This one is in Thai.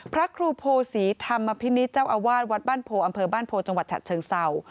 พระครูโพศีธรรมพินิษฐ์เจ้าอาวาสวัดบ้านโพอำเภอบ้านโพจังหวัดฉะเชิงเศร้า